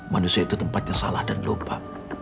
manusia itu tempatnya salah dan lupa